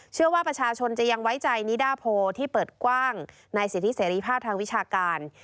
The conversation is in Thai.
เชื่อว่าประชาชนจะยังไว้ใจนิดาโพที่เปิดกว้างในสิทธิเสรีภาพทางวิชาการ